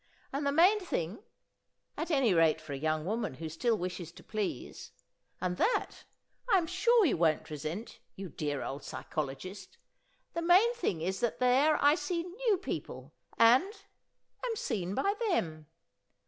And the main thing, at any rate for a young woman who still wishes to please and that, I am sure you won't resent, you dear old psychologist! the main thing is that there I see new people and am seen by them.